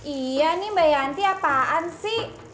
iya nih mbak yanti apaan sih